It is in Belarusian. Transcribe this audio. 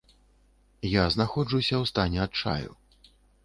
Я знаходжуся ў стане адчаю.